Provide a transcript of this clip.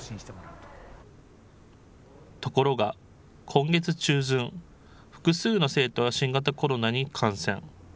ところが、今月中旬、複数の生徒が新型コロナに感染。